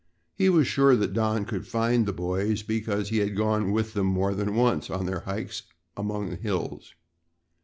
He was sure that Don could find the boys because he had gone with them more than once on their hikes among the hills.